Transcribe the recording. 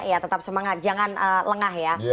ya tetap semangat jangan lengah ya